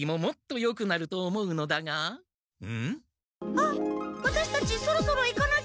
あっワタシたちそろそろ行かなきゃ！